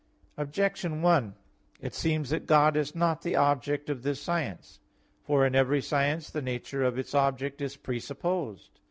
Objection 1: It seems that God is not the object of this science. For in every science, the nature of its object is presupposed.